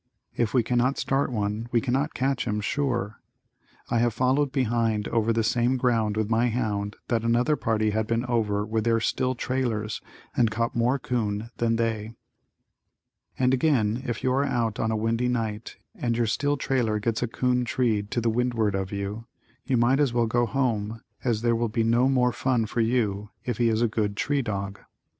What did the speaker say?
If we cannot start one we cannot catch him, sure. I have followed behind over the same ground with my hound that another party had been over with their still trailers and caught more 'coon than they. And again if you are out on a windy night and your still trailer gets a 'coon treed to the windward of you, you might as well go home as there will be no more fun for you if he is a good tree dog.